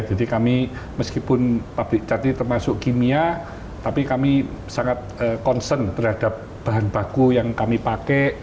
jadi kami meskipun pabrik cat ini termasuk kimia tapi kami sangat concern berhadap bahan baku yang kami pakai